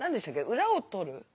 裏をとる？